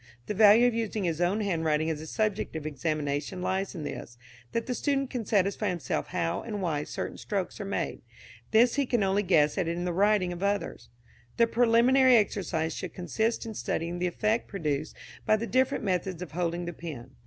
The value of using his own handwriting as a subject of examination lies in this, that the student can satisfy himself how and why certain strokes are made. This he can only guess at in the writing of others. The preliminary exercise should consist in studying the effect produced by the different methods of holding the pen.